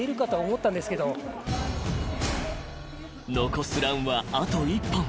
［残すランはあと１本］